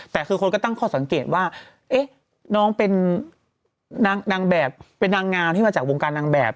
แต่คือคนก็ตั้งข้อสังเกตว่าน้องเป็นนางแบบเป็นนางงามที่มาจากวงการนางแบบ